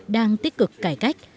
đang tích cực cải cách